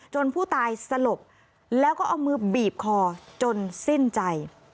ผู้ตายสลบแล้วก็เอามือบีบคอจนสิ้นใจ